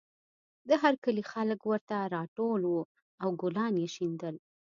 د هر کلي خلک ورته راټول وو او ګلان یې شیندل